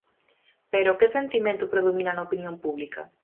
Pero, que sentimento predomina na opinión pública?